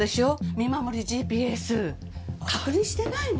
見守りＧＰＳ確認してないの？